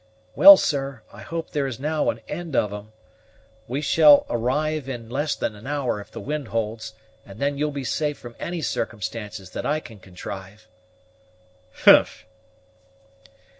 "Well, sir, I hope there is now an end of them. We shall arrive in less than an hour if the wind holds, and then you'll be safe from any circumstances that I can contrive." "Humph!"